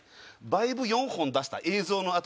バイブ４本出した映像のあとに募金。